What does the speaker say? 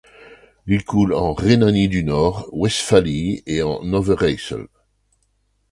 Il coule en Rhénanie-du-Nord-Westphalie et en Overĳssel.